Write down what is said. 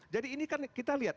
jadi ini kan kita lihat